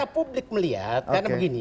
publik melihat karena begini